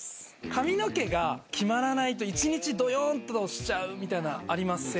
髪の毛が決まらないと一日どよーんとしちゃうみたいなありませんか？